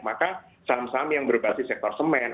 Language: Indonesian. maka saham saham yang berbasis sektor semen